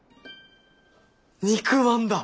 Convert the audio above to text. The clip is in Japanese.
肉まんだ。